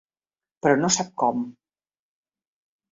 Però no sap com.